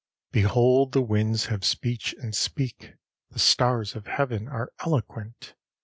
XLIX Behold, the winds have speech and speak! The stars of heaven are eloquent!